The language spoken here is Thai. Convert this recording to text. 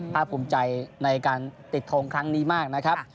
ภาพภูมิใจในการติดทงครั้งนี้มากนะครับ